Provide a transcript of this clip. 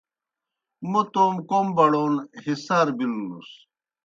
موْ توموْ کوْم بڑون ہِسار بِلوْنُس۔